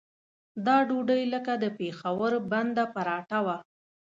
دا ډوډۍ لکه د پېښور بنده پراټه وه.